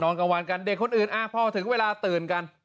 กลางวันกันเด็กคนอื่นพอถึงเวลาตื่นกัน